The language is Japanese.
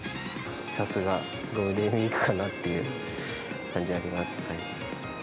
さすがゴールデンウィークかなっていう感じがあります。